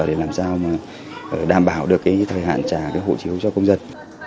để làm sao đảm bảo được thời hạn trả hộ chiếu cho công dân